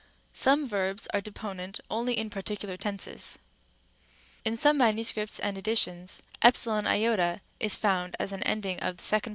Some verbs are deponent only in particular tenses. Rem. ὃ. In some MSS. and editions, εἰ is also found as an ending of the second pers.